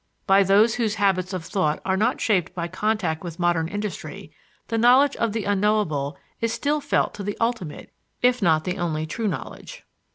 By those whose habits of thought are not shaped by contact with modern industry, the knowledge of the unknowable is still felt to the ultimate if not the only true knowledge.